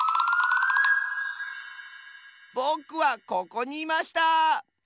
ぼくはここにいました！